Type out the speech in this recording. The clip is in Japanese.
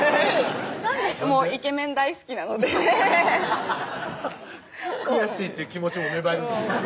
イケメン大好きなので悔しいって気持ちも芽生えるんですね